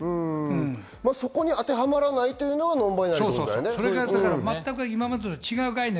そこに当てはまらないというのがノンバイナリーなんだね。